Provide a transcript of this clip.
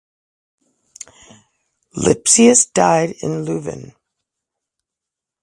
Lipsius died in Leuven.